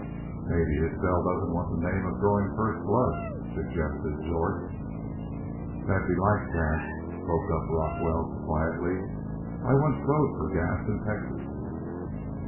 "Maybe Isbel doesn't want the name of drawin' first blood," suggested Jorth. "That 'd be like Gass," spoke up Rock Wells, quietly. "I onct rode fer Gass in Texas."